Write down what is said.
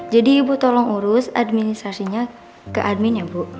jadi ibu tolong urus administrasinya ke admin ya bu